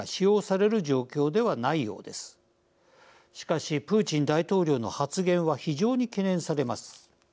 しかしプーチン大統領の発言は非常に懸念されます。